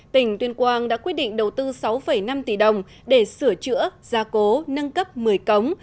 tỉnh tuyên quang đã quyết định đầu tư sáu năm tỷ đồng để sửa chữa gia cố nâng cấp một mươi cống